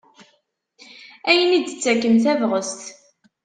Ayen i d-ittaken tabɣest.